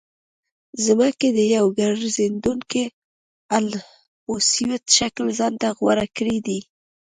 ځمکې د یو ګرځېدونکي الپسویډ شکل ځان ته غوره کړی دی